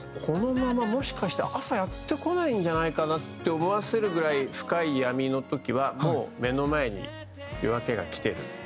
このままもしかして朝やってこないんじゃないかなって思わせるぐらい深い闇の時はもう目の前に夜明けがきてる。